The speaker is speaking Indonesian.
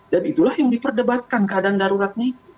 dan itulah yang diperdebatkan keadaan daruratnya itu